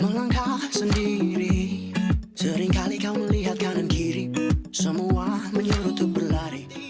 menengah sendiri seringkali kau melihat kanan kiri semua menyuruh itu berlari